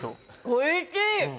おいしい！